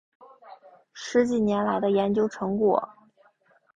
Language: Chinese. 十几年来的研究成果